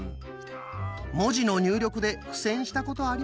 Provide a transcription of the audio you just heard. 文字の入力で苦戦したことありません？